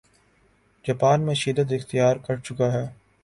Japan میں شدت اختیار کرچکا ہے